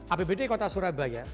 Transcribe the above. apbd kota surabaya